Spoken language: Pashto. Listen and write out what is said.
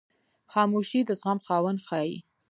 خاموشي، د زغم خاوند ښیي.